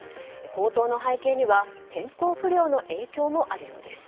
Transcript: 高騰の背景には天候不良の影響もあるようです。